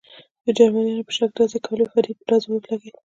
د جرمنیانو په شک ډزې کولې، فرید په ډزو ولګېد.